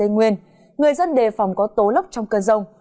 người dân đề phòng có tố lốc trong cơn rông